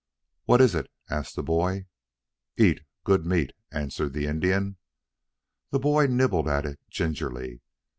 "What is it?" asked the boy. "Eat. Good meat," answered the Indian. The boy nibbled at it gingerly.